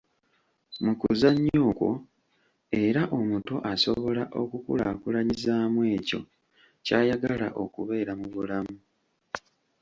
Mu kuzannya okwo era omuto asobola okukulaakulanyizaamu ekyo ky’ayagala okubeera mu bulamu.